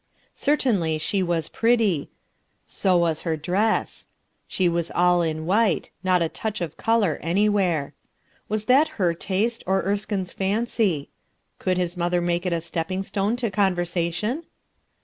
Certainly she was pretty ; so was her dress. She was all in while; not a touch of color any where. Was that her taste, or Erskinc's fancy? Could his mother make it a stopping stone to conversation?